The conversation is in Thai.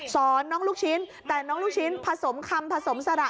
สอนน้องลูกชิ้นแต่น้องลูกชิ้นผสมคำผสมสระ